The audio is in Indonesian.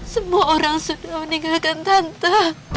semua orang sudah meninggalkan tante